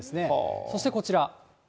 そしてこちら。